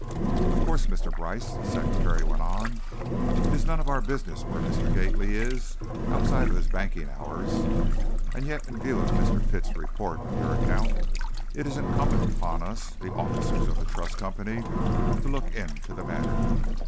"Of course, Mr. Brice," the secretary went on, "it is none of our business where Mr. Gately is, outside of his banking hours; and yet, in view of Mr. Pitt's report of your account, it is incumbent upon us, the officers of the Trust Company, to look into the matter.